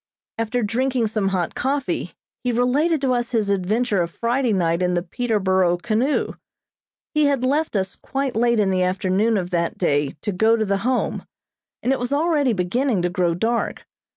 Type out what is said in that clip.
After drinking some hot coffee, he related to us his adventure of Friday night in the Peterborough canoe. He had left us quite late in the afternoon of that day to go to the Home, and it was already beginning to grow dark.